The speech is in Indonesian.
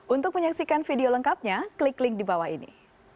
untuk menyaksikan video lengkapnya klik link di bawah ini